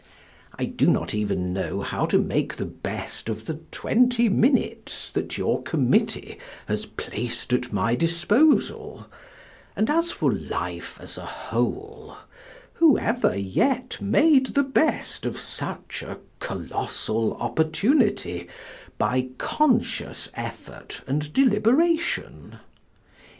I do not even know how to make the best of the twenty minutes that your committee has placed at my disposal, and as for life as a whole, who ever yet made the best of such a colossal opportunity by conscious effort and deliberation?